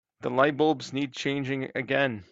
The lightbulbs need changing again.